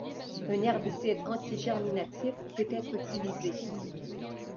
Un herbicide anti-germinatif peut être utilisé.